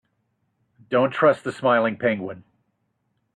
Don't trust the smiling penguin.